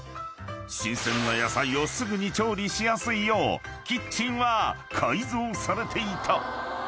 ［新鮮な野菜をすぐに調理しやすいようキッチンは改造されていた］